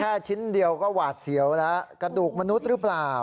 แค่ชิ้นเดียวก็หวาดเสียวแล้วกระดูกมนุษย์หรือเปล่า